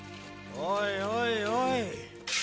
おいおいおい！！